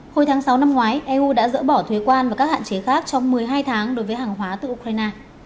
hồi tháng sáu năm ngoái eu đã dỡ bỏ thuế quan và các hạn chế khác trong một mươi hai tháng đối với hàng hóa từ ukraine